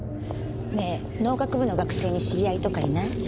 ねえ農学部の学生に知り合いとかいない？